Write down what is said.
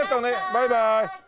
バイバーイ！